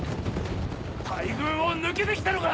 大軍を抜けてきたのか！